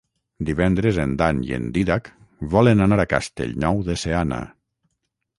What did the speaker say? Divendres en Dan i en Dídac volen anar a Castellnou de Seana.